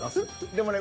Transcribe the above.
でもね